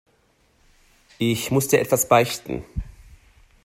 Ich muss dir etwas beichten.